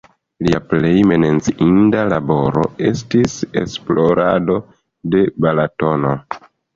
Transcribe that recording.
Lia plej menciinda laboro estis esplorado de Balatono.